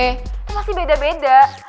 itu masih beda beda